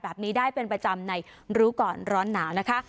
แบบนี้ได้เป็นประจำในรู้ก่อนร้อนหนาวนะคะ